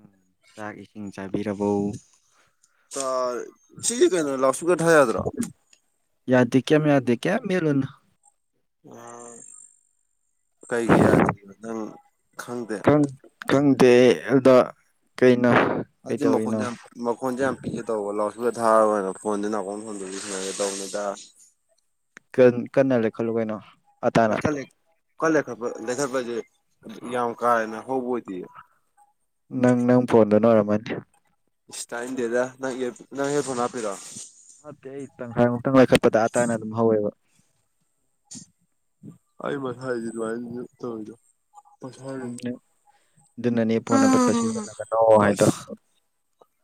ꯎꯝ ꯆꯥꯛ ꯏꯁꯤꯡ ꯆꯥꯕꯤꯔꯕꯣ ꯆꯥ ꯁꯤ ꯀꯩꯅꯣ ꯂꯥꯎꯗ ꯁ꯭ꯄ꯭ꯤꯛꯀꯔ ꯊꯥ ꯌꯥꯗ꯭ꯔꯣ ꯌꯥꯗꯦ ꯀꯦꯝ ꯌꯥꯗꯦ ꯀꯦꯝ ꯃꯦꯠꯂꯨꯅꯨ ꯎꯝ ꯀꯩꯒꯤ ꯌꯥꯗ꯭ꯔꯤꯕ ꯅꯪ ꯈꯪꯗꯦ ꯈꯪ ꯈꯪꯗꯦ ꯑꯗ ꯀꯩ ꯑꯗꯨꯗꯤ ꯃꯈꯣꯟ ꯌꯥꯝ ꯃꯈꯣꯟꯖꯦ ꯌꯥꯝ ꯄꯤꯛꯑꯦ ꯇꯧꯕ ꯂꯥꯎꯗꯁ ꯑꯗꯨꯒ ꯊꯥꯔ ꯑꯣꯏꯅ ꯐꯣꯟꯗꯨ ꯅꯥꯀꯣꯡ ꯐꯣꯟꯗ ꯌꯁꯤꯟꯅꯒꯦ ꯇꯧꯕꯅꯤ ꯇ ꯀꯟ ꯀꯟꯅ ꯂꯩꯈꯠꯂꯨ ꯀꯩꯅꯣ ꯑꯇꯥꯅ ꯀꯟ ꯂꯩꯈꯠꯄ ꯂꯩꯈꯠꯄꯖꯦ ꯌꯥꯝ ꯀꯥ ꯍꯦꯟꯅ ꯍꯧꯕ ꯑꯣꯏꯗꯤꯌꯦ ꯅꯪ ꯅꯪ ꯐꯣꯟꯗꯨꯅ ꯑꯣꯏꯔꯝꯃꯅꯤ ꯏꯁ ꯇꯥꯏꯅꯤꯡꯗꯦꯗ ꯅꯪ ꯑꯦꯌꯔ ꯅꯪ ꯍꯦꯗ ꯐꯣꯟ ꯍꯥꯄꯤꯔꯣ ꯍꯥꯞꯇꯦꯍꯦ ꯇꯪꯈꯥꯏꯃꯨꯛꯇꯪ ꯂꯥꯏꯈꯠꯄꯗ ꯑꯇꯥꯅ ꯑꯗꯨꯝ ꯍꯧꯋꯦꯕ ꯎꯝ [unintelligible] ꯑꯗꯨꯅꯅꯦ ꯄꯣꯟ ꯑꯄꯠꯄ ꯁꯤꯖꯤꯟꯅꯒꯅꯣ ꯍꯥꯏꯗꯣ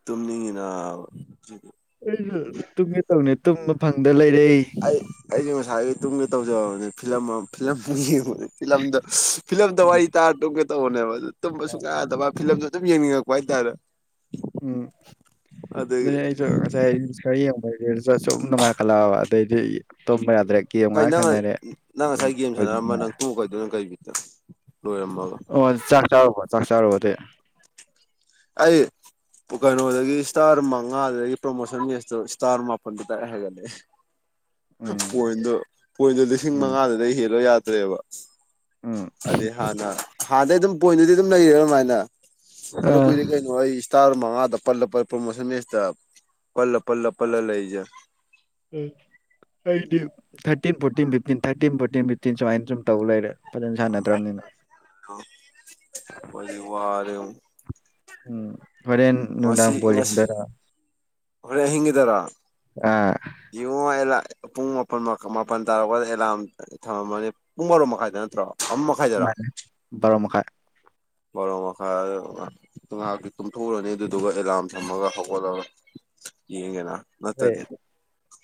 ꯇꯨꯝꯅꯤꯡꯉꯤꯅ ꯁꯤ ꯑꯩꯖꯦ ꯇꯨꯝꯒꯦ ꯇꯧꯅꯤ ꯑꯩ ꯑꯩꯖꯨ ꯉꯁꯥꯏꯗꯒꯤ ꯇꯨꯝꯒꯦ ꯇꯧꯖꯕꯅꯦ ꯐꯤꯂꯝ ꯑꯃ ꯐꯤꯂꯝ ꯐꯤꯂꯝꯗ ꯐꯤꯂꯝꯗ ꯋꯥꯔꯤ ꯇꯥꯔ ꯇꯨꯝꯒꯦ ꯇꯧꯕꯅꯦꯕ ꯑꯗꯨ ꯇꯨꯝꯕ ꯁꯨꯛꯌꯥ ꯌꯥꯗꯕ ꯐꯤꯂꯝꯗꯣ ꯑꯗꯨꯝ ꯌꯦꯡꯅꯤꯡꯉꯛꯄ ꯍꯥꯏꯇꯥꯔꯦ ꯎꯝ ꯑꯗꯒꯤ ꯑꯗꯨꯅꯦ ꯑꯩꯖꯨ ꯉꯁꯥꯏ ꯔꯤꯁ ꯈꯔꯥ ꯌꯦꯡꯕ ꯔꯤꯁꯇꯨ ꯁꯨꯝ ꯅꯨꯡꯉꯥꯏꯈꯠꯂꯛꯑꯕ ꯗꯩꯗꯤ ꯇꯨꯝꯕ ꯌꯥꯗ꯭ꯔꯦ ꯒꯦꯝ ꯀꯩ ꯉꯥꯏꯍꯥꯛ ꯅꯪ ꯁꯥꯟꯅꯔꯦ ꯅꯪ ꯑꯗꯨꯝ ꯉꯁꯥꯏ ꯒꯦꯝ ꯁꯥꯟꯅꯔꯝꯕ ꯍꯧꯖꯤꯛꯅ ꯅꯪ ꯇꯣꯈꯩꯗꯨꯅ ꯅꯪ ꯀꯩ ꯕꯤꯠꯇ ꯂꯣꯏꯔꯝꯃꯒ ꯑꯣ ꯆꯥꯛ ꯆꯥꯔꯨꯕ ꯆꯥꯛ ꯆꯥꯔꯨꯕ ꯑꯗꯨꯏ ꯑꯩ ꯀꯩꯅꯣꯗꯒꯤ ꯁ꯭ꯇꯥꯔ ꯃꯉꯥꯗꯒꯤ ꯄ꯭ꯔꯣꯃꯣꯁꯟ ꯌꯦꯁꯇꯨ ꯁ꯭ꯇꯥꯔ ꯃꯥꯄꯜꯗꯨ ꯗꯥꯏꯔꯦꯛ ꯍꯥꯏꯒꯠꯂꯛꯑꯦ ꯎꯝ ꯄꯣ꯭ꯏꯟꯗꯣ ꯄꯣ꯭ꯏꯟꯗꯣ ꯂꯤꯁꯤꯡ ꯎꯝ ꯃꯉꯥꯗꯨꯗ ꯍꯦꯜꯂꯣ ꯌꯥꯗ꯭ꯔꯦꯕ ꯎꯝ ꯑꯗꯨꯗꯤ ꯍꯥꯟꯅ ꯍꯥꯟꯅꯗꯩ ꯑꯗꯨꯝ ꯄꯣ꯭ꯏꯟꯗꯨꯗꯤ ꯑꯗꯨꯝ ꯂꯩꯔꯦꯅ ꯑꯗꯨꯃꯥꯏꯅ ꯐꯅ ꯑꯥ ꯀꯨꯏꯔꯦ ꯀꯩꯅꯣ ꯑꯩ ꯁꯈꯇꯥꯔ ꯃꯉꯥꯗ ꯄꯜ ꯄꯜ ꯄ꯭ꯔꯃꯣꯁꯟ ꯃꯦꯁ ꯇ ꯄꯜꯂ ꯄꯜꯂ ꯄꯜꯂ ꯂꯩꯔꯤꯖꯦ ꯎꯝ ꯑꯩꯗꯤ thirteen fourteen fifteen thirteen fourteen fifteen ꯁꯨꯃꯥꯏꯅ ꯁꯨꯝ ꯇꯧ ꯂꯩꯔꯦ ꯐꯖꯅ ꯁꯥꯟꯅꯇꯗ꯭ꯔꯃꯤꯅ ꯍꯧꯖꯤꯛ ꯋꯥꯔꯦ ꯑꯃꯨꯛ ꯎꯝ ꯍꯣꯔꯦꯟ ꯉꯁꯤ ꯅꯨꯡꯗꯥꯡ ꯕꯣꯜ ꯉꯁꯤ ꯌꯦꯡꯗꯣꯏꯔꯣ ꯍꯣꯔꯦꯟ ꯑꯍꯤꯡꯒꯤꯗꯔꯣ ꯑꯥ ꯌꯦꯡꯉꯣ ꯑꯦꯂ ꯄꯨꯡ ꯃꯥꯄꯜ ꯃꯥꯄꯜ ꯇꯥꯔꯛꯄꯗ ꯑꯦꯂꯥꯝ ꯊꯝꯃꯝꯃꯅꯤ ꯄꯨꯡ ꯕꯔꯣ ꯃꯈꯥꯏꯗ ꯅꯠꯇ꯭ꯔꯣ ꯑꯃ ꯃꯈꯥꯏꯗꯔꯥ ꯃꯥꯅꯦꯕꯥꯔꯣ ꯃꯈꯥꯏ ꯕꯥꯔꯣ ꯃꯈꯥꯏ ꯉꯥꯏꯍꯥꯛꯇꯤ ꯀꯨꯝꯊꯣꯛꯎꯔꯅꯤ ꯑꯗꯨꯗꯨꯒ ꯑꯦꯂꯥꯔꯝ ꯊꯝꯃꯒ ꯍꯧꯒꯠꯂꯒ ꯌꯦꯉꯦꯅꯥ ꯍꯣꯏ ꯅꯠꯇꯗꯤ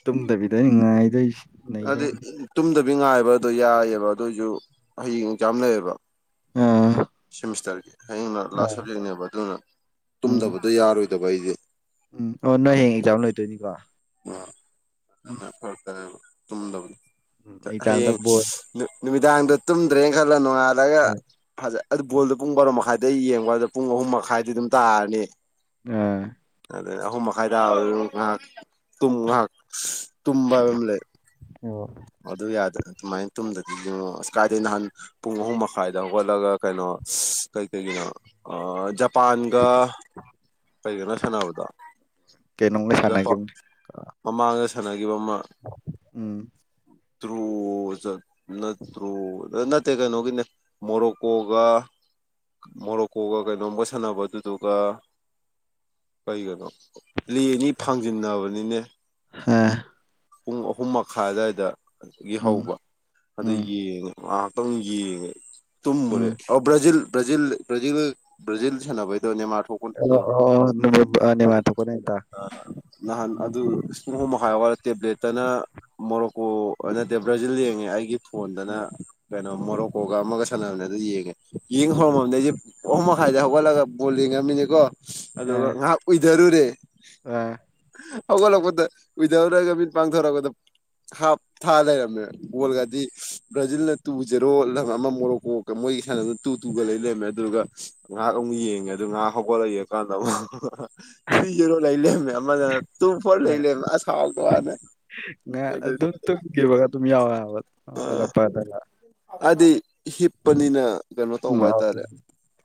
ꯇꯨꯝꯗꯕꯤꯗ ꯑꯩ ꯉꯥꯏꯗꯣꯏꯁꯦ ꯍꯥꯏꯗꯤ ꯇꯨꯝꯗꯕꯤ ꯉꯥꯏꯕꯗꯣ ꯌꯥꯏꯌꯦꯕ ꯑꯗꯨꯏꯖꯨ ꯍꯌꯦꯡ ꯑꯦꯛꯖꯥꯝ ꯂꯩꯌꯦꯕ ꯑꯥ ꯁꯦꯃꯤꯁꯇꯔꯒꯤ ꯍꯌꯦꯡꯅ ꯂꯥꯁ ꯑꯥ ꯁꯕꯖꯦꯛꯅꯦꯕ ꯑꯗꯨꯅ ꯎꯝ ꯇꯨꯝꯗꯕꯗꯣ ꯌꯥꯔꯣꯏ ꯗꯕ ꯑꯩꯖꯦ ꯎꯝ ꯑꯣ ꯅꯣꯏ ꯍꯌꯦꯡ ꯑꯦꯛꯖꯥꯝ ꯂꯣꯏꯗꯣꯏꯅꯤꯀꯣ ꯑ ꯎꯝ ꯐꯔ ꯐꯔꯛ ꯇꯥꯢꯌꯦꯕ ꯇꯨꯝꯗꯧꯕꯗꯣ ꯎꯝ ꯑꯦꯛꯖꯥꯝꯗ ꯍꯌꯦꯡ ꯕꯣꯜ ꯅꯨꯃꯤꯗꯥꯡꯗꯣ ꯇꯨꯝꯗ꯭ꯔꯦꯅ ꯈꯜꯂꯣ ꯅꯣꯡꯉꯥꯜꯂꯒ ꯐꯖ ꯑꯗꯨ ꯕꯣꯜꯗꯣ ꯄꯨꯡ ꯕꯥꯔꯣ ꯃꯈꯥꯏꯗ ꯌꯦꯡꯕ ꯑꯗ ꯄꯨꯡ ꯑꯍꯨꯝ ꯃꯈꯥꯏꯗꯤ ꯑꯗꯨꯝ ꯇꯥꯔꯅꯤ ꯑꯥ ꯑꯍꯨꯝ ꯃꯈꯥꯏ ꯇꯥꯔꯁꯨ ꯉꯥꯏꯍꯥꯛ ꯇꯨꯝ ꯉꯥꯏꯍꯥꯛ ꯇꯨꯝꯕ ꯍꯥꯢꯕ ꯑꯃ ꯂꯩ ꯑꯣ ꯑꯗꯨ ꯌꯥꯗꯦ ꯑꯗꯨꯃꯥꯏꯅ ꯇꯨꯝꯗꯗꯤ ꯏꯕꯨꯡꯉꯣ ꯀꯥꯏꯗꯩ ꯅꯍꯥꯟ ꯄꯨꯡ ꯑꯍꯨꯝ ꯃꯈꯥꯏꯗ ꯍꯒꯠꯂꯒ ꯀꯩꯅꯣ ꯑꯁ ꯀꯩ ꯀꯩꯒꯤꯅꯣ ꯖꯄꯥꯟꯒ ꯀꯩꯒꯅꯣ ꯁꯥꯟꯅꯕꯗꯣ ꯀꯩꯩꯅꯣꯒ ꯖꯄꯥꯟ ꯁꯥꯟꯅꯒꯤꯝꯅꯦ ꯃꯃꯥꯡꯗ ꯁꯥꯟꯅꯈꯤꯕ ꯎꯝ ꯇ꯭ꯔꯣ ꯆꯠ ꯅꯠꯇ꯭ꯔꯣ ꯅꯠ ꯅꯠꯇꯦ ꯀꯩꯅꯣꯒꯤꯅꯦ ꯃꯣꯔꯣꯛꯀꯣꯒ ꯃꯣꯔꯣꯀꯣꯒ ꯀꯩꯅꯣꯒ ꯁꯥꯟꯅꯕ ꯑꯗꯨꯗꯨꯒ ꯀꯩꯒ ꯅꯣ ꯐꯥꯡꯖꯤꯟꯅꯕꯅꯤꯅꯦ ꯑꯥ ꯄꯨꯡ ꯑꯍꯨꯝ ꯃꯈꯥꯏ ꯑꯗꯥꯏꯗ ꯑꯗꯒꯤ ꯎꯝ ꯍꯧꯕ ꯑꯗ ꯎꯝ ꯌꯦꯡꯉꯦ ꯉꯍꯥꯛꯇꯪ ꯌꯦꯡꯉꯦ ꯇꯨꯝꯃꯨꯔꯦ ꯎꯝ ꯕ꯭ꯔꯖꯤꯜ ꯕ꯭ꯔꯖꯤꯜ ꯕ꯭ꯔꯖꯤꯜ ꯕ꯭ꯔꯖꯤꯜ ꯁꯅꯕꯩ ꯑꯗꯣ ꯑ ꯅꯦꯃꯥꯔ ꯇꯨꯕ ꯅꯨꯃꯤꯠꯇ ꯑ ꯅꯍꯥꯟ ꯑꯗꯨ ꯄꯨꯡ ꯑꯍꯨꯝ ꯃꯈꯥꯏ ꯍꯧꯒꯠꯂ ꯇꯦꯕ꯭ꯂꯦꯠꯇꯅ ꯃꯣꯔꯣꯀꯣ ꯑ ꯅꯠꯇꯦ ꯕ꯭ꯔꯖꯤꯜ ꯌꯦꯡꯉꯦ ꯑꯩꯒꯤ ꯐꯣꯟꯗꯅ ꯎꯝ ꯀꯩꯅꯣ ꯃꯣꯔꯣꯀꯣꯒ ꯑꯃꯒ ꯁꯥꯟꯅꯕꯅꯦ ꯑꯗꯨ ꯌꯦꯡꯉꯦ ꯌꯦꯡ ꯎꯝ ꯍꯧꯔꯝꯃꯅꯦ ꯑꯩꯁꯦ ꯑꯍꯨꯝ ꯃꯈꯥꯏꯗ ꯍꯧꯒꯠꯂꯒ ꯕꯣꯜ ꯂꯡꯉꯝꯃꯤꯅꯤꯀꯣ ꯑꯗꯨꯒ ꯑ ꯉꯥꯏꯍꯥꯛ ꯎꯏꯊꯔꯨꯔꯦ ꯑ ꯍꯧꯒꯠꯂꯛꯄꯗ ꯎꯢꯊꯔꯨꯔꯒ ꯃꯤꯠ ꯄꯥꯡꯊꯣꯔꯛꯄꯗ ꯍꯥꯞ ꯊꯥ ꯂꯩꯔꯝꯃꯦ ꯕꯣꯜꯒꯗꯤ ꯕ꯭ꯔꯖꯤꯜꯅ ꯇꯨ ꯖꯦꯔꯣ ꯂꯝ ꯑꯃ ꯃꯣꯔꯣꯀꯣꯒ ꯃꯣꯏꯒꯤ ꯁꯥꯟꯅꯅ ꯇꯨ ꯇꯨꯒ ꯂꯩ ꯂꯩꯔꯝꯃꯦ ꯑꯗꯨꯗꯨꯒ ꯉꯍꯥꯛ ꯌꯦꯡꯉꯦ ꯉꯥꯛ ꯍꯧꯒꯠꯂꯛꯒ ꯌꯦꯡꯀꯥꯟꯗ ꯊ꯭ꯔꯤ ꯖꯦꯔꯣ ꯂꯩ ꯂꯩꯔꯝꯃꯦ ꯑꯃꯅꯦ ꯇꯨ ꯐꯣꯔ ꯂꯩ ꯂꯩꯔꯝꯃꯦ ꯑꯁ ꯍꯥꯎꯇꯕꯅꯤꯗ ꯉꯥꯛ ꯑꯗꯨꯛ ꯇꯨꯝꯈꯤꯕꯒ ꯑꯗꯨꯝ ꯌꯥꯎꯋꯦ ꯍꯥꯢꯕ ꯍꯧꯒꯠꯂꯛꯄꯗꯀ ꯑꯗꯤ ꯍꯤꯞꯄꯅꯤꯅ ꯀꯩꯅꯣ ꯎꯝ ꯇꯧꯕ ꯍꯥꯏꯇꯥꯔꯦ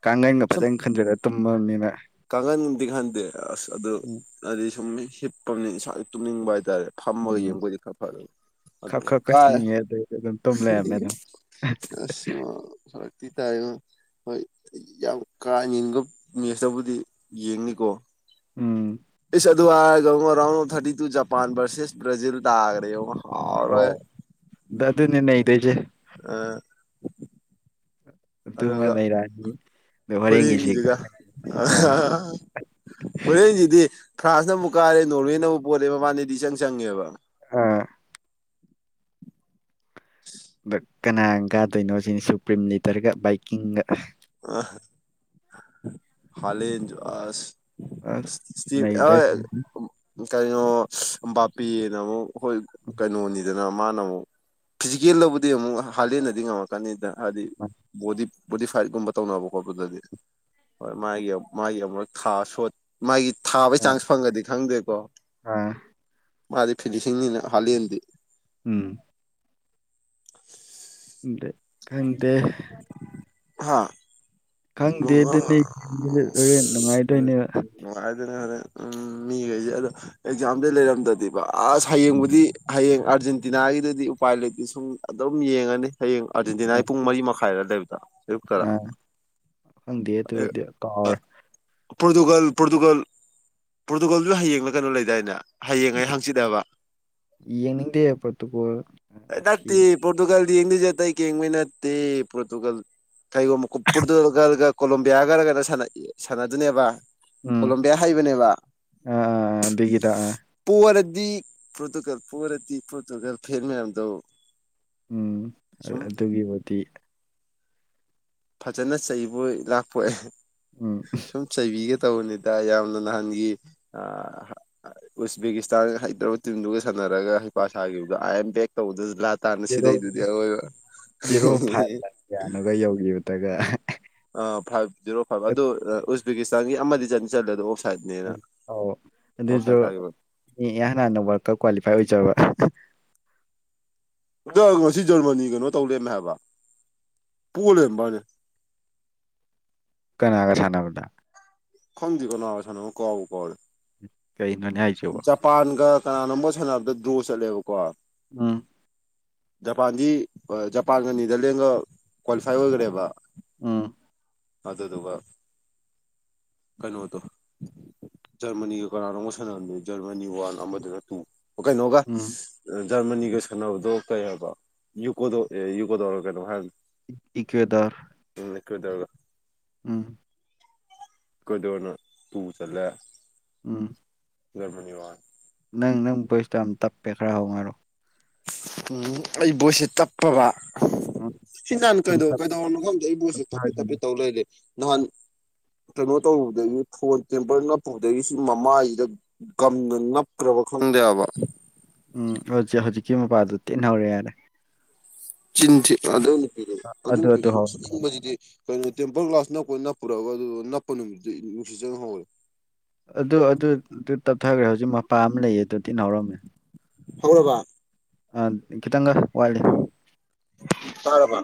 ꯀꯥꯡꯒꯟꯒ ꯁꯨꯝ ꯐꯖꯅ ꯈꯟꯖꯤꯜꯂ ꯇꯨꯝꯃꯕꯅꯤꯅ ꯀꯥꯡꯈꯟꯗꯤ ꯈꯟꯗꯦ ꯑꯁ ꯑꯗꯨ ꯎꯝ ꯍꯥꯏꯗꯤ ꯁꯨꯝ ꯍꯤꯞꯄꯒꯤ ꯏꯁꯥꯁꯤ ꯇꯨꯝꯅꯤꯡꯕ ꯍꯥꯏꯇꯥꯔꯦ ꯐꯝꯃꯒ ꯎꯝ ꯌꯦꯡꯕ ꯑꯣꯢꯗꯤ ꯈꯥ ꯐꯗꯧꯕ ꯈꯞ ꯑꯗꯨꯝ ꯈꯞ ꯈ ꯀꯥꯔꯦ ꯆꯤꯡꯉꯦ ꯑꯗꯩꯗꯤ ꯑꯗꯨꯝ ꯇꯨꯝ ꯂꯩꯔꯝꯃꯦ ꯍꯤꯍꯤꯍꯤ ꯑꯗꯨꯝ ꯑꯁ ꯌꯥ ꯐꯔꯦ ꯇꯤ ꯇꯥꯢꯉꯣ ꯍꯣꯏ ꯌꯥꯝ ꯀꯥꯍꯟꯅꯤꯡꯕ ꯃꯦꯁꯇꯕꯨ ꯗꯤ ꯌꯦꯡꯅꯤꯀꯣ ꯎꯝ ꯏꯁ ꯑ ꯑꯗꯨ ꯍꯥꯢꯔꯒ round of thirty two Japan versus Brazil ꯇꯥꯈ꯭ꯔꯦꯉꯣ ꯑꯧ ꯗꯗꯨꯅꯤ ꯅꯩꯗꯣꯏꯁꯦ ꯑꯥ ꯑꯗꯨꯃ ꯅꯩꯔꯅꯤ ꯍꯣꯔꯦꯟꯒꯤꯁꯤꯒ [inaudible] ꯍꯣꯔꯦꯟꯖꯤꯗꯤ ꯈ꯭ꯔꯥꯟꯁꯅ ꯑꯃꯨꯛ ꯀꯥꯔꯦ ꯅꯣꯔꯋꯦꯅꯃꯨꯛ ꯄꯣꯔꯦ ꯃꯕꯥꯟꯅꯤꯗꯤ ꯏꯆꯪ ꯆꯪꯉꯦꯕ ꯑꯥ ꯗ ꯀꯅꯥ ꯀꯥꯗꯣꯏꯅꯣ ꯁꯤꯅꯤ ꯁꯨꯄ꯭ꯔꯤꯝ ꯂꯤꯗꯔꯒ ꯕꯥꯏꯛꯀꯤꯡꯒ [inaudible] ꯍꯥꯂꯦꯟꯖꯨ ꯑꯁ ꯑꯁ ꯅꯩꯗꯣꯏꯅꯤ [unintelligible] ꯀꯩꯅꯣ ꯕꯥꯄꯦꯅ ꯃꯨꯛ ꯍꯣꯏ ꯀꯩꯅꯣꯅꯤ ꯑꯗꯨꯅ ꯃꯥꯅ ꯑꯃꯨꯛ ꯐꯤꯖꯤꯀꯦꯜꯗꯕꯨꯗꯤ ꯑꯃꯨꯛ ꯍꯥꯂꯟꯅꯗꯤ ꯉꯝꯃꯛꯀꯅꯤꯗ ꯍꯥꯏꯗꯤ ꯕꯣꯗꯤ ꯕꯣꯗꯤꯐꯥꯏꯠ ꯀꯨꯝꯕ ꯇꯧꯅꯕ ꯈꯣꯠꯄꯗꯗꯤ ꯍꯣꯏ ꯃꯥꯒꯤ ꯃꯥꯒꯤ ꯑꯃꯨꯛ ꯈꯥ ꯁꯣꯠ ꯃꯥꯒꯤ ꯊꯥꯕꯩ ꯑ ꯆꯥꯟꯁ ꯐꯪꯉꯗꯤ ꯈꯪꯗꯦꯀꯣ ꯑ ꯃꯥꯗꯤ ꯐꯤꯅꯤꯁꯤꯡꯅꯤꯅ ꯍꯥꯂꯦꯟꯗꯤ ꯎꯝ ꯗꯦ ꯈꯪꯗꯦ ꯍꯥꯥ ꯈꯪꯗꯦ ꯑꯗꯨꯅꯤ ꯍꯣꯔꯦꯟ ꯅꯨꯡꯉꯥꯏꯗꯣꯏꯅꯦꯕ [unintelligible] ꯅꯨꯡꯉꯥꯏꯗꯅꯦ ꯍꯣꯔꯦꯟ ꯎꯝ ꯃꯤꯒꯩꯁꯦ ꯑꯗꯣ ꯑꯦꯛꯖꯥꯝꯗ ꯂꯩꯔꯝꯗꯗꯤꯕ ꯑꯁ ꯍꯌꯦꯡꯕꯨꯗꯤ ꯍꯌꯦꯡ ꯑꯥꯔꯖꯦꯟꯇꯤꯅꯥꯒꯤꯗꯗꯤ ꯎꯄꯥꯏ ꯂꯩꯇꯦ ꯁꯨꯝ ꯑꯗꯨꯝ ꯌꯦꯡꯉꯅꯤ ꯍꯌꯦꯡ ꯑꯥꯔꯖꯦꯟꯇꯤꯅꯥꯒꯤ ꯎꯝ ꯄꯨꯡ ꯃꯔꯤ ꯃꯈꯥ ꯈꯥꯏꯔ ꯂꯩꯕꯗꯣ ꯑꯌꯨꯛꯇꯔꯥ ꯑꯥ ꯈꯪꯗꯦ ꯑꯗꯨꯒꯗꯤ ꯀꯥꯎꯔꯦ ꯄꯣꯔꯇꯨꯒꯜ ꯄꯣꯔꯇꯨꯒꯜ ꯄꯣꯔꯇꯨꯒꯜꯖꯨ ꯍꯌꯦꯡꯂ ꯀꯩꯅꯣ ꯂꯩꯗꯥꯏꯅꯦ ꯍꯌꯦꯡꯉꯩ ꯍꯪꯆꯤꯠꯑꯕ ꯌꯦꯡꯅꯤꯡꯗꯦ ꯄꯣꯔꯇꯨꯒꯜ ꯊꯤ ꯅꯠꯇꯦ ꯄꯣꯔꯇꯨꯒꯜ ꯌꯦꯡꯗꯤꯖꯦ ꯑꯇꯩ ꯀꯤꯝꯒꯤ ꯅꯇꯦ ꯄ꯭ꯔꯣꯇꯨꯒꯜ ꯀꯩꯒꯨꯝꯕ ꯄꯣꯔꯇꯨꯒꯜꯒ ꯀꯣꯂꯣꯝꯕꯤꯌꯥ ꯒꯔ ꯀꯩꯅꯣ ꯁꯥꯟꯅꯩ ꯁꯥꯟꯅꯗꯨꯅꯦꯕ ꯎꯝ ꯀꯣꯂꯣꯝꯕꯤꯌꯥ ꯍꯩꯕꯅꯦꯕ ꯑꯥ ꯑꯥ ꯑꯗꯨꯒꯤꯗ ꯑꯥ ꯄꯣꯔ ꯗꯤ ꯄ꯭ꯔꯣꯇꯨꯒꯜ ꯄꯣꯔꯗꯤ ꯄ꯭ꯔꯣꯇꯨꯒꯜ ꯐꯦꯟ ꯃꯌꯥꯝꯗꯣ ꯎꯝ ꯁꯨꯝ ꯑꯗꯨꯒꯤꯕꯨꯗꯤ ꯐꯖꯅ ꯆꯩꯕꯣꯏ ꯂꯥꯛꯄꯣꯏ ꯎꯝ ꯁꯨꯝ ꯆꯩꯕꯤꯒꯦ ꯇꯧꯕꯅꯤꯗ ꯌꯥꯝꯅ ꯅꯍꯥꯟꯒꯤ ꯑꯥ ꯎꯖꯕꯦꯀꯤꯁꯇꯥꯟ ꯍꯩꯇꯕ ꯇꯤꯝꯗꯨꯒ ꯁꯥꯟꯅ ꯅꯔꯒ ꯍꯩꯄꯥ ꯁꯥꯒꯤꯕꯗꯣ ꯑꯥ ꯌꯦꯝ ꯕꯦꯛ ꯇꯧꯕꯗꯣ ꯖꯦꯔꯣ ꯖꯦꯔꯣ ꯐꯥꯏꯚ ꯂꯥ ꯀꯌꯥꯅꯣꯒ ꯌꯧꯒꯤꯕꯗꯒ ꯐꯥꯏꯚ ꯖꯤꯔꯣ ꯐꯥꯏꯚ ꯑꯗꯨ ꯎꯖꯕꯦꯀꯤꯁꯇꯥꯟꯒꯤ ꯑꯃꯗꯤ ꯆꯠ ꯆꯜꯂꯦꯗꯣ ꯑꯣꯞ ꯑꯧ ꯑꯗꯨꯖꯨ ꯇꯥꯈꯤꯕ ꯃꯤ ꯍꯥꯟ ꯍꯥꯟꯅ ꯋꯥꯜ ꯀꯞ ꯀ꯭ꯋꯥꯂꯤꯐꯥꯏ ꯑꯣꯏꯖꯕ ꯗ ꯉꯁꯤ ꯖꯔꯃꯅꯤ ꯀꯩꯅꯣ ꯇꯧꯂꯩꯔꯝꯃꯦ ꯍꯥꯏꯕ ꯄꯣꯂꯩꯝꯕꯥꯅꯦ ꯀꯅꯥꯒ ꯁꯥꯟꯅꯕꯗ ꯈꯪꯗꯦ ꯀꯅꯥꯒ ꯁꯥꯅꯃꯣ ꯀꯥꯎꯕꯨ ꯀꯥꯎꯔꯦ ꯀꯩꯅꯣꯅꯦ ꯍꯥꯏꯁꯤꯕꯣ ꯖꯄꯥꯟꯒ ꯀꯅꯥꯅꯣꯝꯕ ꯁꯥꯟꯅꯕꯗ ꯗ꯭ꯔꯣ ꯆꯠꯂꯦꯕꯀꯣ ꯎꯝ ꯖꯄꯥꯟꯗꯤ ꯖꯄꯥꯟꯒ ꯅꯦꯗꯔꯂꯦꯟꯒ ꯀ꯭ꯋꯥꯂꯤꯐꯥꯏ ꯑꯣꯏꯒ꯭ꯔꯦꯕ ꯎꯝ ꯑꯗꯨꯗꯨꯒ ꯀꯩꯅꯣꯗꯣ ꯖꯔꯃꯅꯤꯒꯤ ꯀꯅꯥꯅꯣꯝꯒ ꯖꯔꯃꯅꯤ ꯋꯥꯟ ꯑꯃꯗꯨꯒ ꯇꯨ ꯑꯣ ꯀꯩꯅꯣꯒ ꯎꯝ ꯖꯔꯃꯅꯤꯒ ꯁꯥꯟꯅꯕꯗꯣ ꯀꯩ ꯍꯥꯏꯕ ꯌꯨꯀꯣꯗꯣ ꯑꯦ ꯌꯨꯀꯣꯗꯧꯔꯒ ꯀꯩꯅꯣ ꯍꯥꯏꯕꯅꯤ ꯏꯀ꯭ꯋꯦꯗꯔ [unintelligible] ꯎꯝ ꯀꯦꯗꯔꯅ ꯇꯨ ꯆꯜꯂꯦ ꯎꯝ ꯖꯔꯃꯅꯤ ꯋꯥꯟ ꯅꯪ ꯅꯪ ꯄꯣꯏꯁꯇꯣ ꯌꯥꯝ ꯇꯞꯄꯦ ꯈꯔ ꯍꯧꯅ ꯍꯥꯏꯔꯣ ꯎꯝ ꯑꯩ ꯕꯣꯏꯁꯁꯦ ꯇꯞꯄꯕ ꯎꯝ ꯁꯤ ꯅꯍꯥꯟ ꯁꯨꯝ ꯀꯩꯗ ꯇꯞ ꯀꯩꯗꯧꯔꯝꯅꯣ ꯈꯪꯗꯦ ꯑꯩꯕꯣꯏꯁ ꯁꯨ ꯇꯞꯄꯤ ꯇꯞꯊꯒꯤꯅꯤ ꯇꯞꯄꯤ ꯇꯧ ꯂꯩꯔꯦ ꯅꯍꯥꯟ ꯀꯩꯅꯣ ꯇꯧꯕꯗꯒꯤ ꯐꯣꯟ ꯇꯦꯝꯄꯔ ꯅꯞꯄꯨꯕꯗꯒꯤ ꯃꯃꯥꯏꯖꯤꯗ ꯒꯝꯅ ꯅꯞꯈ꯭ꯔꯕ ꯈꯪꯗꯦꯍꯥꯕ ꯎꯝ ꯍꯧꯖꯤꯛ ꯍꯧꯖꯤꯛꯀꯤ ꯃꯄꯥꯗꯨ ꯇꯤꯍꯧꯔꯦ ꯌꯥꯔꯦ ꯆꯤꯟꯊꯤ ꯑꯗꯨ ꯅꯨꯄꯤꯗꯨ ꯑꯗꯨ ꯅꯨꯄꯤꯗꯨ ꯊꯤꯅꯤꯡꯕꯖꯤꯗꯤ ꯀꯩꯅꯣ ꯇꯦꯝꯄꯜ ꯒꯂꯥꯁ ꯅꯞꯄ ꯅꯞꯄꯨꯔꯒ ꯑꯗꯨ ꯅꯞꯄ ꯅꯨꯃꯤꯠꯇꯩ ꯅꯨꯡꯁꯤꯠ ꯆꯪꯍꯧꯔꯦ ꯑꯗꯨ ꯑꯗꯨ ꯇꯞꯊꯈ꯭ꯔꯦ ꯍꯧꯖꯤꯛ ꯃꯄꯥ ꯑꯃ ꯂꯩꯌꯦ ꯑꯗ ꯇꯤꯟꯍꯧꯔꯝꯃꯦ ꯍꯧꯔꯕꯥ ꯑꯥ ꯈꯤꯇꯪꯒ ꯋꯥꯠꯂꯤ ꯇꯥꯔꯕ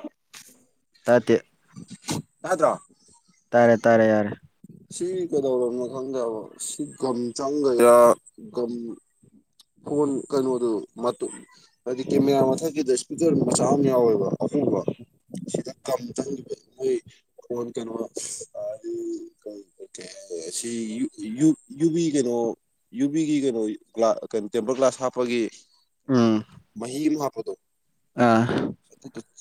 ꯇꯥꯗꯦ ꯇꯗ꯭ꯔꯣ ꯇꯥꯔꯦ ꯇꯥꯔꯦ ꯌꯥꯔꯦ ꯁꯤ ꯀꯩꯗꯧꯔꯕꯣ ꯈꯪꯗꯦꯕ ꯁꯤ ꯒꯝ ꯆꯪꯒꯩꯔ ꯒꯝ ꯐꯣꯟ ꯀꯩꯅꯣꯗꯨ ꯃꯇꯨꯝ ꯍꯥꯏꯗꯤ ꯀꯦꯃꯦꯔꯥ ꯃꯊꯛꯀꯤꯗ ꯏꯁꯄꯤꯀꯔ ꯃꯆꯥ ꯑꯃ ꯌꯥꯎꯋꯦꯕ ꯍꯣꯕ ꯁꯤꯗ ꯒꯝ ꯆꯪꯈꯤꯕ ꯃꯣꯏ ꯐꯣꯟ ꯀꯩꯅꯣ ꯑꯗꯤ ꯀꯩ ꯀꯩꯍꯥꯢꯔꯦ ꯁꯤ ꯌꯨ ꯌꯨ ꯌꯨꯕꯤ ꯀꯩꯅꯣ ꯌꯨꯕꯤꯒꯤ ꯀꯩꯅꯣ ꯒ꯭ꯜꯥꯁ ꯀꯩꯅꯣ ꯇꯦꯝꯄꯜ ꯒ꯭ꯂꯥꯁ ꯍꯥꯞꯄꯒꯤ ꯎꯝ ꯃꯍꯤ ꯑꯃ ꯍꯥꯞꯄꯗꯣ ꯑꯥ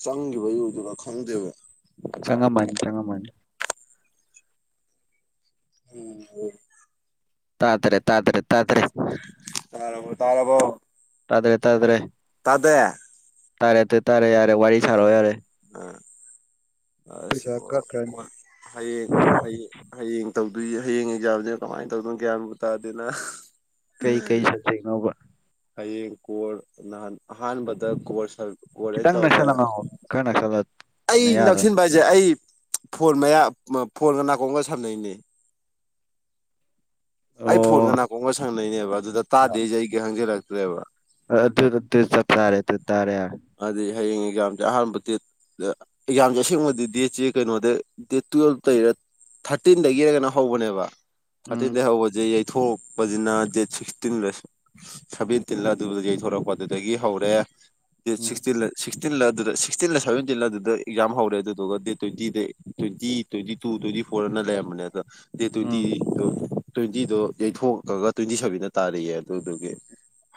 ꯆꯪꯈꯤꯕꯩ ꯑꯣꯢꯗꯣꯢꯔ ꯈꯪꯗꯦꯕ ꯆꯪꯉꯝꯃꯅꯤ ꯆꯪꯉꯝꯃꯅꯤ ꯎꯝ ꯋꯣ ꯇꯥꯗ꯭ꯔꯦ ꯇꯥꯗ꯭ꯔꯦ ꯇꯥꯗ꯭ꯔꯦ ꯇꯥꯔꯕꯣ ꯇꯥꯔꯕꯣ ꯇꯥꯗ꯭ꯔꯦ ꯇꯥꯗ꯭ꯔꯦ ꯇꯥꯗꯦ ꯇꯥꯔꯦ ꯑꯗꯨ ꯇꯥꯔꯦ ꯌꯥꯔꯦ ꯋꯥꯔꯤ ꯁꯥꯔꯛꯑꯣ ꯌꯥꯔꯦ ꯑꯁ ꯄꯩꯁꯥ ꯢꯕꯣ ꯀꯛꯈ꯭ꯔꯅꯤ ꯀꯣꯜ ꯍꯌꯦꯡ ꯍꯌꯦꯡ ꯍꯌꯦꯡ ꯇꯧ- ꯄꯨꯢꯌꯦ ꯍꯌꯦꯡ ꯑꯦꯛꯖꯥꯝꯅꯦ ꯀꯃꯥꯏꯅ ꯇꯧꯗꯣꯢꯅꯣ ꯒ꯭ꯌꯥꯟꯕꯨ ꯇꯥꯗꯦꯅ ꯍꯥ ꯀꯩꯀꯩ ꯁꯕꯖꯦꯛꯅꯣꯕ ꯍꯌꯦꯡ ꯀꯣꯔ ꯅꯍꯥꯟ ꯑꯍꯥꯟꯕꯗ ꯀꯣꯔ ꯁꯕ ꯑꯣꯔꯦ ꯈꯤꯇꯪ ꯇꯧꯔꯦ ꯅꯛꯁꯜꯂ ꯉꯥꯡꯉꯣ ꯈꯔ ꯅꯛꯁꯜꯂ ꯑꯩ ꯅꯌꯥꯗ ꯅꯛꯁꯤꯟꯕ ꯍꯥꯏꯁꯦ ꯑꯩ ꯐꯣꯟ ꯃꯌꯥ ꯐꯣꯟꯒ ꯅꯥꯀꯣꯡꯒ ꯁꯝꯅꯩꯅꯦ ꯑꯩ ꯐꯣꯟꯒ ꯑꯣ ꯅꯥꯀꯣꯡꯒ ꯁꯝꯅꯩꯅꯦꯕ ꯑꯗꯨꯗ ꯇꯥꯗꯦꯁꯦ ꯑꯩꯒꯤ ꯍꯪꯖꯜꯂꯛꯇ꯭ꯔꯦꯕ ꯑꯗꯨ ꯑꯗꯨ ꯆꯞ ꯆꯔꯦ ꯑꯗꯨ ꯇꯥꯔꯦ ꯌꯔꯦ ꯑꯗꯨꯗꯤ ꯍꯌꯦꯡ ꯑꯦꯛꯖꯥꯝꯁꯦ ꯑꯍꯥꯟꯕ ꯗꯦꯠ ꯑ ꯑꯦꯛꯖꯥꯝꯁꯦ ꯑꯁꯦꯡꯕꯗꯤ ꯗꯦꯠꯁꯤ ꯀꯩꯅꯣꯗ ꯗꯦꯠ ꯇꯨꯋꯦꯜꯞꯇꯩꯔ ꯊꯥꯔꯇꯤꯟꯗꯒꯤꯔ ꯀꯩꯅꯣꯝ ꯍꯧꯕꯅꯦꯕ ꯎꯝ ꯊꯥꯔꯇꯤꯟꯗꯒꯤ ꯍꯧꯕꯁꯦ ꯌꯩ ꯊꯣꯛꯄꯁꯤꯅ ꯗꯦꯠ ꯁꯤꯛꯁꯇꯤꯟ ꯁꯚꯦꯟꯇꯤꯟꯂ ꯑꯗꯨꯗ ꯌꯩꯊꯣꯔꯛꯄ ꯑꯗꯨꯗꯒꯤ ꯍꯧꯔꯦ ꯗꯦꯠ ꯎꯝ ꯁꯤꯛꯇꯤꯜ ꯁꯤꯛ ꯇꯤꯟꯂ ꯑꯗꯨꯗ ꯁꯤꯛꯁꯇꯤꯟꯂ ꯁꯚꯦꯟꯇꯤꯟꯂ ꯑꯗꯨꯗ ꯑꯦꯛꯖꯥꯝ ꯍꯧꯔꯦ ꯑꯗꯨꯗꯨꯒ ꯗꯦꯠ ꯇ꯭ꯋꯦꯟꯇꯤꯗꯩ ꯇ꯭ꯋꯦꯟꯇꯤ ꯇ꯭ꯋꯦꯟꯇꯤ ꯇꯨ ꯇ꯭ꯋꯦꯟꯇꯤ- ꯐꯣꯔꯅ ꯂꯩꯔꯝꯕꯅꯦ ꯑꯗ ꯗꯦꯠ ꯎꯝ ꯇꯦꯟꯇꯤꯗꯨ ꯇ꯭ꯋꯦꯟꯇꯤꯗꯣ ꯌꯩꯊꯣꯛꯑꯒ ꯇ꯭ꯋꯦꯟꯇꯤ ꯁꯚꯦꯟꯗ ꯇꯥꯔꯦꯌꯦ ꯑꯗꯨꯗꯨꯒꯤ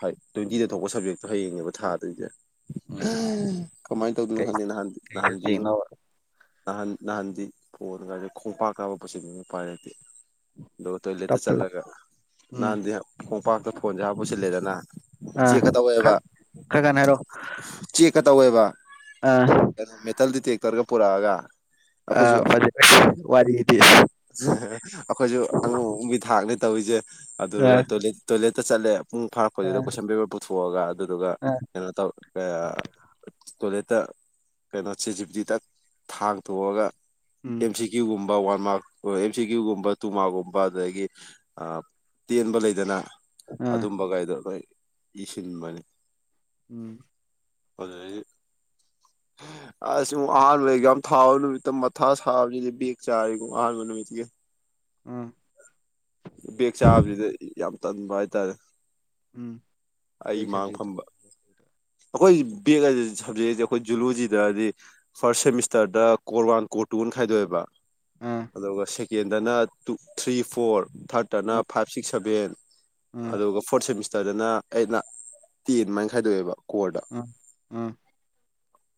ꯍꯥꯢ ꯇ꯭ꯋꯦꯟꯇꯤꯗ ꯊꯣꯛꯄ ꯁꯕꯖꯦꯛꯇꯣ ꯍꯌꯦꯡꯅꯦꯕ ꯊꯥꯗꯣꯏꯁꯦ ꯎꯝ ꯑꯥ ꯀꯃꯥꯏꯅ ꯇꯧꯗꯣꯏꯅꯣ ꯀꯩ ꯈꯪꯗꯦ ꯅꯍꯥꯟ ꯀꯩ ꯅꯍꯥꯟꯗꯤ ꯉꯣ ꯁꯕꯖꯦꯛꯅꯣꯕ ꯅꯍꯥꯟ ꯅꯍꯥꯟꯗꯤ ꯐꯣꯟ ꯀꯗꯦ ꯈꯣꯡꯄꯥꯛꯇ ꯍꯥꯞꯄ ꯄꯨꯁꯤꯟꯕꯤꯅꯤ ꯎꯄꯥꯢꯂꯩꯇꯦ ꯗꯨꯒ ꯇꯣꯏꯂꯦꯠꯇ ꯇꯞꯄꯦꯕ ꯆꯠꯂꯒ ꯎꯝ ꯅꯍꯥꯟꯗꯤ ꯈꯣꯡꯄꯥꯛꯇ ꯐꯣꯟꯁꯦ ꯍꯥꯞꯄꯒ ꯄꯨꯁꯤꯜꯂꯦꯗꯅ ꯆꯦꯛꯀ ꯇꯧꯋꯦꯕ ꯈꯔꯥ ꯀꯟꯅ ꯍꯥꯢꯔꯛꯑꯣ ꯆꯦꯛꯀ ꯇꯧꯋꯦꯕ ꯀꯩꯅꯣ ꯃꯦꯇꯜ ꯗꯤꯇꯦꯛꯇꯔꯒ ꯄꯨꯔꯛꯑꯒ ꯑ ꯐꯖꯔꯦ ꯋꯥꯔꯤꯗꯤ ꯑꯍꯥꯍꯥ ꯑꯩꯈꯣꯏꯁꯨ ꯑꯉꯝ ꯑꯉꯝꯕꯤ ꯊꯥꯛꯅꯦ ꯇꯧꯔꯤꯁꯦ ꯑꯗꯨꯒ ꯑꯥ ꯇꯣꯢꯂꯦꯠ ꯇꯣꯂꯦꯠꯇ ꯆꯠꯂꯦ ꯎꯝ ꯐꯥꯔꯛꯄꯩꯗꯨꯗ ꯑꯥ ꯀꯣꯏꯁꯟ ꯄꯦꯄꯔ ꯄꯨꯊꯣꯛꯑꯒ ꯑꯗꯨꯗꯨꯒ ꯑꯥ ꯀꯩꯅꯣ ꯇꯧ ꯑ ꯇꯣꯏꯂꯦꯠꯇ ꯀꯩꯅꯣ ꯆꯦꯠꯖꯤꯄꯤꯇꯤ ꯗ ꯊꯥꯡꯊꯣꯛꯑꯒ ꯎꯝ ꯑꯦꯝꯁꯤ ꯀ꯭ꯌꯨ ꯒꯨꯝ ꯋꯥꯟ ꯃꯥꯔꯛ ꯑ ꯑꯦꯝ ꯁꯤ ꯀ꯭ꯌꯨꯒꯨꯝꯕ ꯇꯨ ꯃꯥꯔꯛꯀꯨꯝꯕ ꯑꯗꯒꯤ ꯑ ꯇꯦꯟꯕ ꯂꯩꯗꯅ ꯑꯥ ꯑꯗꯨꯝꯕꯒꯩꯗꯣ ꯂꯣꯏ ꯏꯁꯤꯟꯕꯅꯦ ꯎꯝ ꯑꯗꯨꯗꯒꯤ [inaudible] ꯑꯁ ꯋꯥꯕꯗ ꯑꯦꯛꯖꯝ ꯊꯥꯕ ꯅꯨꯃꯤꯠꯇ ꯃꯥꯊꯥ ꯁꯥꯕꯖꯤꯗꯤ ꯕꯦꯛ ꯆꯥꯔꯦꯕꯨ ꯑꯍꯥꯟꯕ ꯅꯨꯃꯤꯠꯇꯨꯒꯤ ꯎꯝ ꯕꯦꯛ ꯆꯥꯕꯁꯤꯗ ꯌꯥꯝ ꯇꯟꯕ ꯍꯥꯏꯇꯥꯔꯦ ꯎꯝ ꯀꯩ ꯁꯕꯖꯦꯛꯇ ꯑꯩꯈꯣꯏꯒꯤ ꯕꯦꯛ ꯍꯥꯏꯖꯦ ꯁꯕꯖꯦꯛꯁꯦ ꯑꯩꯈꯣꯏ ꯖꯨꯂꯣꯖꯤꯗꯗꯤ ꯐꯥꯔꯁꯠ ꯁꯦꯃꯤꯁꯇꯔꯗ ꯀꯣꯔꯋꯥꯟ ꯀꯣꯔꯠ ꯇꯨꯅ ꯈꯥꯏꯗꯣꯛꯑꯦꯕ ꯑꯥ ꯑꯗꯨꯒ ꯁꯦꯀꯦꯟꯗꯅ ꯇꯨ ꯊ꯭ꯔꯤ ꯐꯣꯔ ꯊꯥꯔꯠꯇꯅ ꯑꯥ ꯐꯥꯏꯕ ꯁꯤꯛꯁ ꯁꯚꯦꯟ ꯑꯥ ꯑꯗꯨꯒ ꯐꯣꯔꯠ ꯁꯦꯃꯤꯁꯇꯔꯗꯅ ꯑꯩꯠꯅ ꯇꯦꯟꯃꯥꯏꯅ ꯈꯥꯏꯗꯣꯛꯑꯦꯕ ꯀꯣꯔꯗ ꯎꯝ ꯎꯝ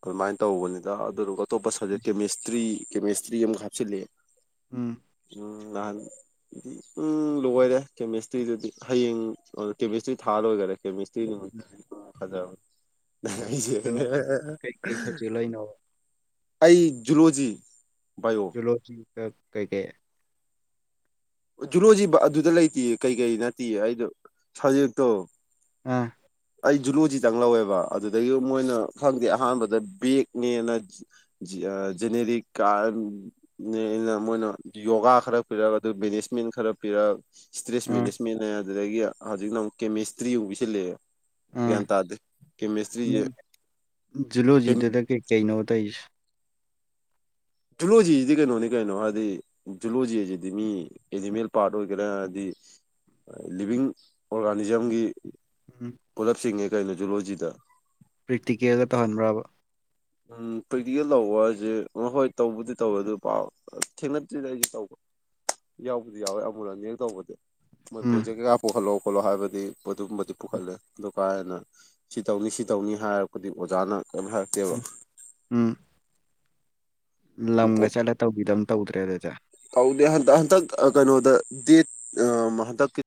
ꯑꯗꯨꯃꯥꯏꯅ ꯇꯧꯕꯅꯤꯗ ꯑꯗꯨꯗꯨꯒ ꯑꯇꯣꯞꯄ ꯁꯕꯖꯦꯛ ꯀꯦꯃꯤꯁꯇ꯭ꯔꯤ ꯀꯦꯃꯦꯁꯇ꯭ꯔꯤ ꯑꯃꯨꯛ ꯍꯥꯞꯆꯤꯜꯂꯦ ꯎꯝ ꯅꯍꯥꯟꯗꯤ ꯎꯝ ꯂꯣꯏꯔꯦ ꯀꯦꯃꯦꯁꯇ꯭ꯔꯤꯗꯨꯗꯤ ꯍꯌꯦꯡ ꯀꯦꯃꯦꯁꯇ꯭ꯔꯤ ꯊꯥ ꯂꯣꯏꯈꯔꯦ ꯀꯦꯃꯦꯁꯇ꯭ꯔꯤ ꯃꯨꯛ ꯗꯨꯝ ꯐꯖꯕ ꯑꯩꯖꯦ [inaudible] ꯑꯗꯨ ꯅꯪ ꯀꯩꯀꯩ ꯁꯕꯖꯦꯛ ꯂꯧꯔꯤꯅꯣꯕ ꯑꯩ ꯖꯨꯂꯣꯖꯤ ꯕꯥꯏꯑꯣ ꯖꯨꯂꯣꯖꯤꯒ ꯀꯩꯀꯩ ꯖꯨꯂꯣꯖꯤ ꯑꯗꯨꯗ ꯂꯩꯇꯦ ꯀꯩꯀꯩ ꯅꯠꯇꯤꯌꯦ ꯑꯩꯗꯣ ꯁꯖꯦꯛꯇꯣ ꯑꯥ ꯑꯩ ꯖꯨꯂꯣꯖꯤꯗꯪ ꯂꯧꯋꯦꯕ ꯑꯗꯨꯗꯒꯤ ꯃꯣꯏꯅ ꯈꯪꯗꯦ ꯑꯍꯥꯟꯕꯗ ꯕꯦꯛꯅꯦꯅ ꯖꯦꯅꯦꯔꯤꯛ ꯀꯥ ꯅꯦꯅ ꯃꯣꯏꯅ ꯌꯣꯒꯥ ꯈꯔ ꯄꯤꯔꯒ ꯑꯗꯨ ꯃꯦꯅꯤꯁ ꯃꯦꯟ ꯈꯔ ꯄꯤꯔꯛ ꯁ꯭ꯇꯔꯦꯁ ꯑꯥ ꯃꯦꯅꯦꯖꯃꯦꯟꯅꯦ ꯑꯗꯨꯗꯒꯤ ꯍꯧꯖꯤꯛꯅ ꯑꯃꯨꯛ ꯀꯦꯃꯦꯁꯇ꯭ꯔꯤ ꯑꯃꯨꯛ ꯄꯤꯁꯜꯂꯛꯑꯦ ꯑ ꯖꯨꯂꯣꯖꯤꯗꯨꯗ ꯀꯩꯀꯩꯅꯣꯕ ꯇꯩꯁꯦ ꯖꯨꯂꯣꯖꯤꯁꯤꯗꯤ ꯀꯩꯅꯣꯅꯤ ꯀꯩꯅꯣ ꯍꯥꯏꯗꯤ ꯖꯨꯂꯣꯖꯤꯁꯤꯗꯤ ꯃꯤ ꯑꯦꯅꯤꯃꯦꯜ ꯄꯥꯔꯠ ꯑꯣꯏꯒꯦꯔꯥ ꯍꯥꯏꯗꯤ ꯂꯤꯕꯤꯡ ꯑꯣꯔꯒꯥꯅꯤꯖꯝꯒꯤ ꯎꯝ ꯄꯨꯂꯞꯆꯤꯡꯉꯦ ꯀꯩꯅꯣ ꯖꯨꯂꯣꯖꯤꯗ ꯄ꯭ꯔꯦꯛꯇꯤꯀꯦꯜꯒ ꯇꯧꯍꯟꯕ꯭ꯔꯕ ꯎꯝ ꯄ꯭ꯔꯦꯛꯇꯤꯀꯦꯜ ꯂꯧꯕ ꯍꯥꯏꯁꯦ ꯍꯣꯏ ꯇꯧꯕꯗꯤ ꯇꯧꯋꯦ ꯑꯗꯨ ꯄꯥꯎ ꯊꯦꯡꯅꯗ꯭ꯔꯤꯗ ꯑꯩꯗꯤ ꯇꯧꯕ ꯌꯥꯎꯕꯗꯤ ꯌꯥꯎꯋꯦ ꯑꯃꯨꯔꯛ ꯑꯅꯤꯔꯛ ꯇꯧꯕꯗꯤ ꯃꯣꯏ ꯎꯝ ꯄ꯭ꯔꯣꯖꯦꯛ ꯀꯩꯀꯥ ꯄꯨꯣꯛꯈꯠꯂꯛꯑꯣ ꯈꯣꯠꯂꯣ ꯍꯥꯏꯕꯗꯤ ꯑꯗꯨꯝꯕꯗꯤ ꯄꯨꯈꯠꯂꯦ ꯑꯗꯨ ꯀꯥ ꯍꯦꯟꯅ ꯁꯤ ꯇꯧꯅꯤ ꯁꯤ ꯇꯧꯅꯤ ꯍꯥꯏꯔꯛꯄꯗꯤ ꯑꯣꯖꯥꯅ ꯀꯦꯝ ꯍꯥꯢꯔꯛꯇꯦꯕ ꯎꯝ ꯂꯝꯒ ꯆꯠꯂ ꯇꯧꯕꯤꯗꯣ ꯑꯝ ꯇꯧꯗ꯭ꯔꯦ ꯑꯗꯨꯗꯤ ꯇꯧꯗꯦ ꯍꯟꯇꯛ ꯍꯟꯇꯛ ꯀꯅꯣꯗ ꯗꯦꯠ ꯍꯟꯗꯛꯀꯤ